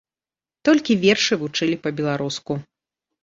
Толькі вершы вучылі па-беларуску.